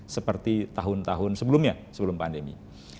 seperti tahun tahun sebelumnya sebelum pandemi